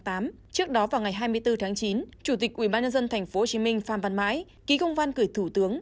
trước đó vào ngày hai mươi bốn tháng chín chủ tịch ủy ban nhân dân tp hcm pham văn mãi ký công văn cử thủ tướng